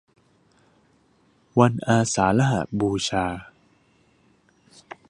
วันอาสาฬหบูชา